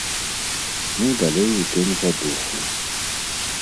Ну далей у тым жа духу.